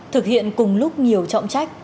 thực hiện cùng lúc nhiều trọng trách